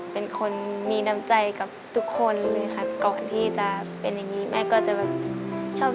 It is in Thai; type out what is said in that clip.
เป็นคนมีน้ำใจกับทุกคนเลยค่ะ